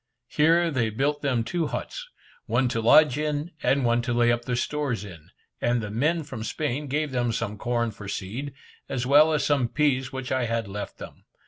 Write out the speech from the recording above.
Here they built them two huts, one to lodge in, and one to lay up their stores in; and the men from Spain gave them some corn for seed, as well as some peas which I had left them.